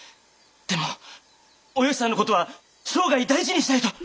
でもおよしさんの事は生涯大事にしたいと。